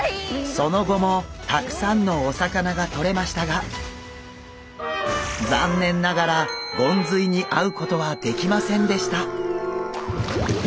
その後もたくさんのお魚がとれましたが残念ながらゴンズイに会うことはできませんでした。